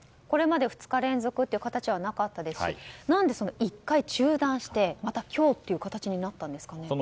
これまで２日連続という形はなかったですし何で１回中断してまた今日という形になったんですかね。